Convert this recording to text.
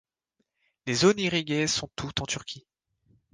Les zones irriguées sont toutes en Turquie.